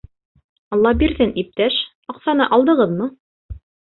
Аллабирҙин иптәш, аҡсаны алдығыҙмы?